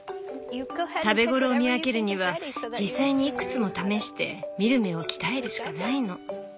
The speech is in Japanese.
食べ頃を見分けるには実際にいくつも試して見る目を鍛えるしかないの。